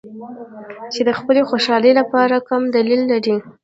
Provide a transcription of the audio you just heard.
چې د خپلې خوشحالۍ لپاره کم دلیل لري.